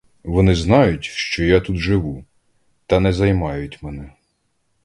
Вони знають, що я тут живу, та не займають мене.